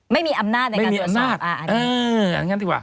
ไม่มีอำนาจในการตรวจสอบไม่มีอำนาจระดับข้างนั้นดีกว่า